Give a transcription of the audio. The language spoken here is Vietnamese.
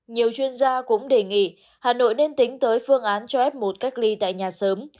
nhiều chuyên gia cũng đề nghị hà nội nên tính tới phương án cho f một cách ly tại nhà sớm